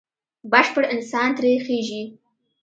بشپړ انسان ترې خېژي.